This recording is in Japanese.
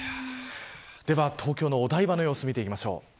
では、東京のお台場の様子を見ていきましょう。